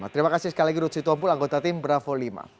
terima kasih sekali lagi ruth sitompul anggota tim bravo lima